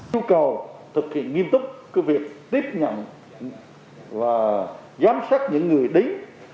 yêu cầu thực hiện nghiêm túc việc tiếp nhận và giám sát những người đến